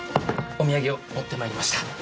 お土産を持ってまいりました。